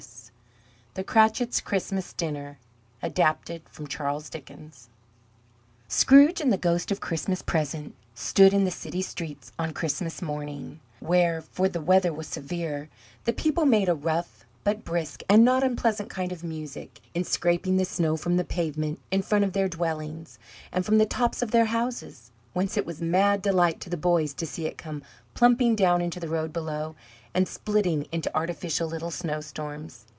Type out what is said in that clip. XXVII. THE CRATCHITS' CHRISTMAS DINNER (Adapted) CHARLES DICKENS Scrooge and the Ghost of Christmas Present stood in the city streets on Christmas morning, where (for the weather was severe) the people made a rough but brisk and not unpleasant kind of music, in scraping the snow from the pavement in front of their dwellings, and from the tops of their houses, whence it was mad delight to the boys to see it come plumping down into the road below, and splitting into artificial little snowstorms.